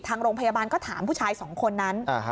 ทางโรงพยาบาลก็ถามผู้ชายสองคนนั้น